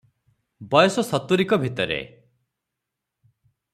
ବୟସ ସତୁରିକ ଭିତରେ ।